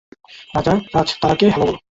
রাজ, তারা-কে হ্যালো বলো।